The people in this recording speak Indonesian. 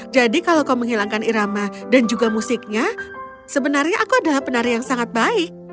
jadi kalau kau menghilangkan irama dan juga musiknya sebenarnya aku adalah penari yang sangat baik